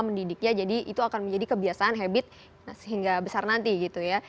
mendidiknya jadi itu akan menjadi kebiasaan habit sehingga besar nanti gitu ya